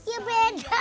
eh denger ya